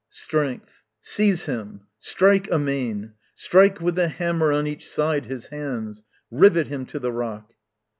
Strength. Seize him: strike amain: Strike with the hammer on each side his hands Rivet him to the rock.